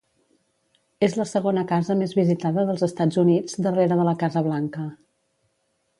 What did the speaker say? És la segona casa més visitada dels Estats Units, darrere de la Casa Blanca.